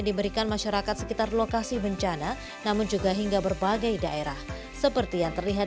diberikan masyarakat sekitar lokasi bencana namun juga hingga berbagai daerah seperti yang terlihat